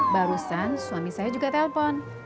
barusan suami saya juga telpon